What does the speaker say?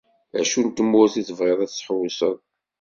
Acu n tmurt i tebɣiḍ ad d-tḥewṣeḍ?